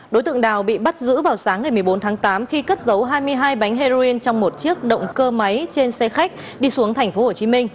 đối tượng đào bị bắt giữ vào sáng ngày một mươi bốn tháng tám khi cất dấu hai mươi hai bánh heroin trong một chiếc động cơ máy trên xe khách đi xuống tp hcm